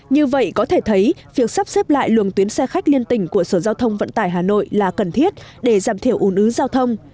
như vậy có thể thấy việc sắp xếp lại luồng tuyến xe khách liên tỉnh của sở giao thông vận tải hà nội là cần thiết để giảm thiểu ủn ứ giao thông